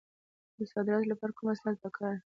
د صادراتو لپاره کوم اسناد پکار دي؟